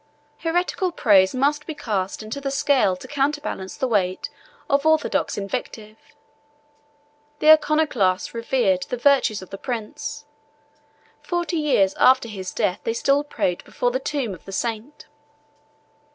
Heretical praise must be cast into the scale to counterbalance the weight of orthodox invective. The Iconoclasts revered the virtues of the prince: forty years after his death they still prayed before the tomb of the saint.